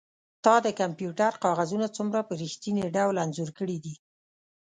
تا د کمپیوټر کاغذونه څومره په ریښتیني ډول انځور کړي دي